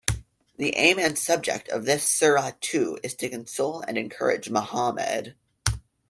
The aim and object of this Surah too is to console and encourage Muhammad.